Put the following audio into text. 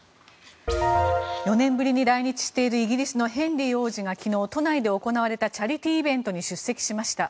４年ぶりに来日しているイギリスのヘンリー王子が昨日、都内で行われたチャリティーイベントに出席しました。